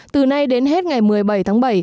từ nay đến hết ngày một mươi bảy tháng bảy